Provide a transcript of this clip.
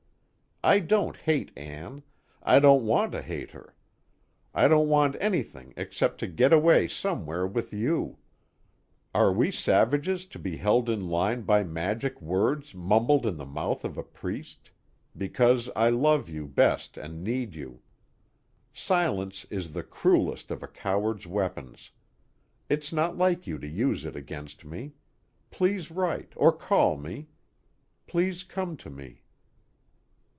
I don't hate Ann, I don't want to hate her. I don't want anything except to get away somewhere with you are we savages to be held in line by magic words mumbled in the mouth of a priest? because I love you best and need you. "Silence is the cruelest of a coward's weapons. It's not like you to use it against me. Please write, or call me. Please come to me.